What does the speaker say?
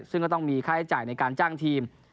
ซึ่งก็ต้องมีค่าใช้จ่ายในการจ้างทีม